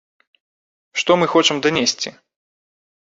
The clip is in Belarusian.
Што мы хочам данесці?!